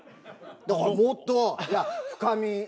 だからもっといや深み。